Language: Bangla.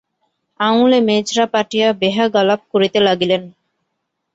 আঙুলে মেজরাপ আঁটিয়া বেহাগ আলাপ করিতে লাগিলেন।